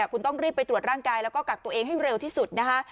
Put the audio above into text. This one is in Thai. คุณต้องรีบไปตรวจร่างกายแล้วก็กักตัวเองให้เร็วที่สุดนะคะ